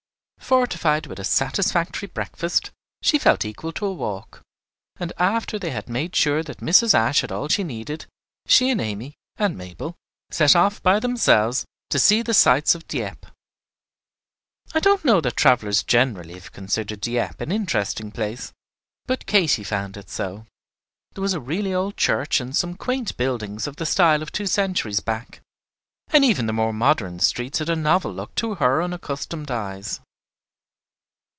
Fortified with the satisfactory breakfast, she felt equal to a walk; and after they had made sure that Mrs. Ashe had all she needed, she and Amy (and Mabel) set off by themselves to see the sights of Dieppe. I don't know that travellers generally have considered Dieppe an interesting place, but Katy found it so. There was a really old church and some quaint buildings of the style of two centuries back, and even the more modern streets had a novel look to her unaccustomed eyes.